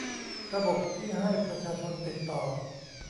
ระบบที่ให้ประชาชนติดต่อ